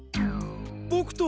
ボクと。